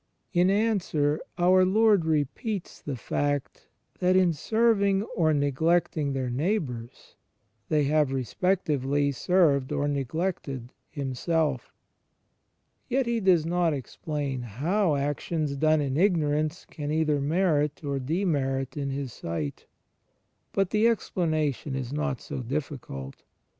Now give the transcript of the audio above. In answer our Lord repeats the fact that in serving or neglecting their neighboiurs, they have, respectively, served or neglected Himself. Yet He does not explain how actions done in ignorance can either merit or demerit in His sight. But the explanation is not so difficult.